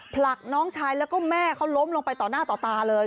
ผลักน้องชายแล้วก็แม่เขาล้มลงไปต่อหน้าต่อตาเลย